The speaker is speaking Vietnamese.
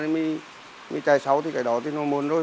mình chạy sau thì cái đó thì nó muộn rồi